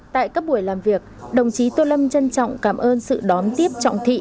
tại các buổi làm việc đồng chí tô lâm trân trọng cảm ơn sự đón tiếp trọng thị